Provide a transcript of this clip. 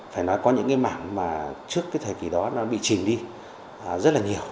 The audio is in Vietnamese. phải nói có những mạng mà trước thời kỳ đó bị trình đi rất là nhiều